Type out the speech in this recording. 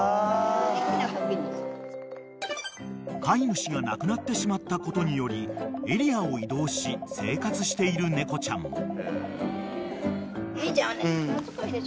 ［飼い主が亡くなってしまったことによりエリアを移動し生活している猫ちゃんも］